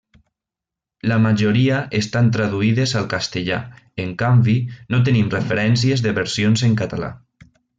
La majoria estan traduïdes al castellà; en canvi, no tenim referències de versions en català.